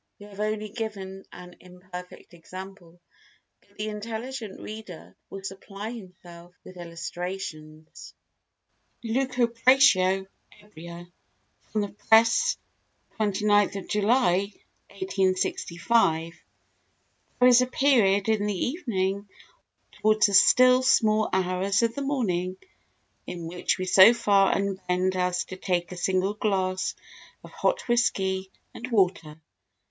We have only given an imperfect example, but the intelligent reader will supply himself with illustrations. Lucubratio Ebria [From the Press, 29 July, 1865] There is a period in the evening, or more generally towards the still small hours of the morning, in which we so far unbend as to take a single glass of hot whisky and water.